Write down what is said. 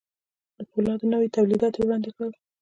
د پولادو نوي توليدات يې وړاندې کړل.